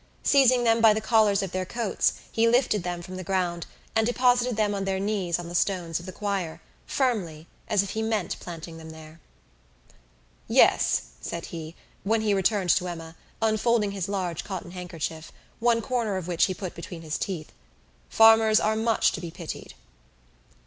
Seizing them by the collars of their coats, he lifted them from the ground, and deposited them on their knees on the stones of the choir, firmly, as if he meant planting them there. "Yes," said he, when he returned to Emma, unfolding his large cotton handkerchief, one corner of which he put between his teeth, "farmers are much to be pitied."